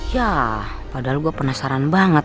ya padahal gue penasaran banget